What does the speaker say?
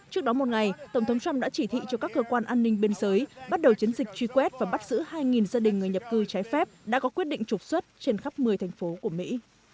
trước đó một ngày tổng thống trump đã chỉ thị cho các cơ quan an ninh biên giới bắt đầu chiến dịch truy quét và bắt giữ hai gia đình người nhập cư trái phép đã có quyết định trục xuất trên khắp một mươi thành phố của mỹ